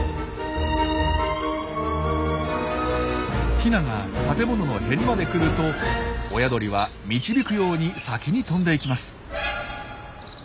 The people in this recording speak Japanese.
ヒナが建物のへりまで来ると親鳥は導くように先に飛んでいきます。